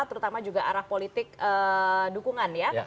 terutama juga arah politik dukungan ya